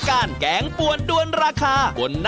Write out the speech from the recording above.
มันนั่งอยู่บนรถบัตร